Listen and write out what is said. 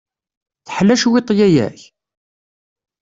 Teḥla cwiṭ yaya-k?